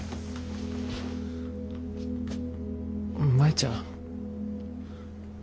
舞ちゃん。